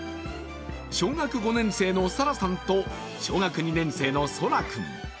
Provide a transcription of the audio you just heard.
小学５年生のさらさんと小学２年生のそら君。